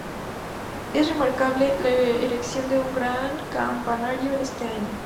Es remarcable, la erección de un gran campanario ese año.